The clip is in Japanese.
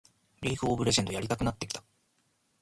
リーグ・オブ・レジェンドやりたくなってきた